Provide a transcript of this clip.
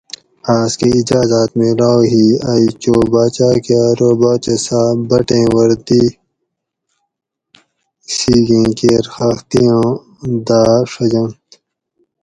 آۤس کہ اجازاۤت میلاؤ ہی ائی چو باچاۤ کہ ارو باچہ صاۤب بٹیں وردی سِگیں کیر خختی آں داۤ ڛجنت